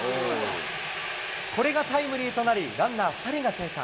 これがタイムリーとなり、ランナー２人が生還。